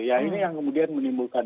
ya ini yang kemudian menimbulkan